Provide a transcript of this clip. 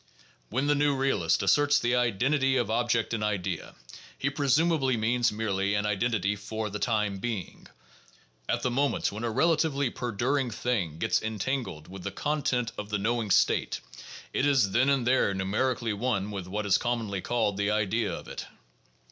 When the new realist asserts the identity of object and idea, he presumably means merely an identity for the time being. At the moments when a relatively perduring "thing" gets entangled with "the content of the knowing state," it is then and there nu merically one with what is commonly called the idea of it.